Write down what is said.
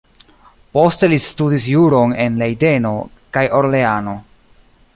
Poste li studis juron en Lejdeno kaj Orleano.